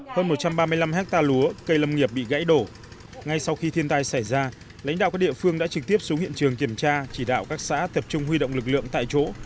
hơn một trăm ba mươi năm hectare lúa cây lâm nghiệp bị gãy đổ ngay sau khi thiên tai xảy ra lãnh đạo các địa phương đã trực tiếp xuống hiện trường kiểm tra chỉ đạo các xã tập trung huy động lực lượng tại chỗ